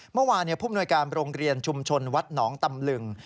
เมื่อวานผู้มนวยการโรงเรียนชุมชนวัดหนองตำลึง